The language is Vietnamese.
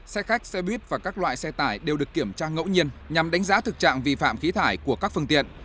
xe khách xe buýt và các loại xe tải đều được kiểm tra ngẫu nhiên nhằm đánh giá thực trạng vi phạm khí thải của các phương tiện